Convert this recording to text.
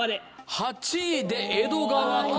８位で江戸川区。